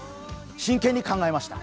真剣に考えました。